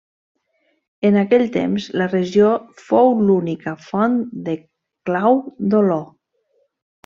En aquell temps la regió fou l'única font de clau d'olor.